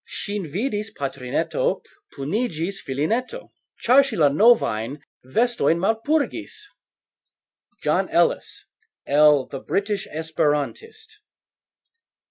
Sxin vidis patrineto, Punigxis filineto, Cxar sxi la novajn vestojn malpurigis. JOHN ELLIS, el "The British Esperantist".